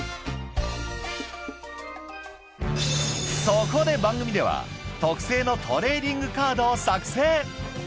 そこで番組では特製のトレーディングカードを作成